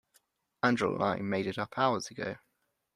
Angela and I made it up hours ago.